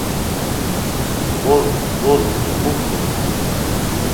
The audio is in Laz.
Bgorum, bgorum do mu bgorum?